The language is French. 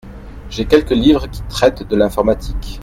J’ai quelques livres qui traitent de l’informatique.